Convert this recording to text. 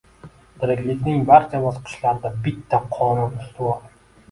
Tiriklikning barcha bosqichlarida bitta qonun ustuvor: